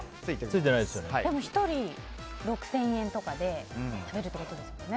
でも、１人６０００円とかで食べるってことですよね。